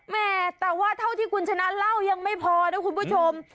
แม่แต่ว่าเท่าที่คุณชนะเล่ายังไม่พอนะคุณผู้ชม